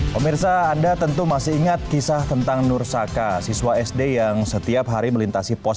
hai om irsa anda tentu masih ingat kisah tentang nur saka siswa sd yang setiap hari melintasi pos